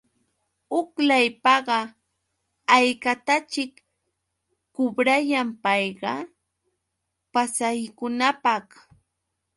Huk lawpaqa, ¿haykataćhik kubrayan payqa? Pasahikunapaq.